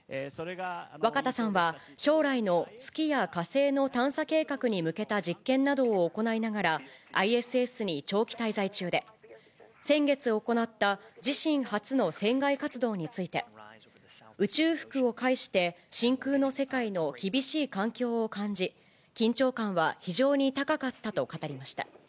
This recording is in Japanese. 若田さんは将来の月や火星の探査計画に向けた実験などを行いながら、ＩＳＳに長期滞在中で、先月行った自身初の船外活動について、宇宙服を介して真空の世界の厳しい環境を感じ、緊張感は非常に高かったと語りました。